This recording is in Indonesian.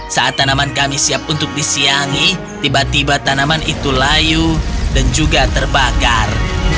saat tanaman kami siap untuk disiangi tiba tiba tanaman itu layu dan juga terbakar